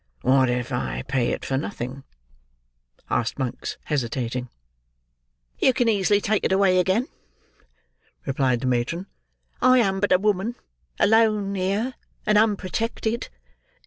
"What if I pay it for nothing?" asked Monks, hesitating. "You can easily take it away again," replied the matron. "I am but a woman; alone here; and unprotected."